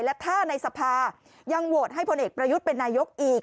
และถ้าในสภายังโหวตให้พลเอกประยุทธ์เป็นนายกอีก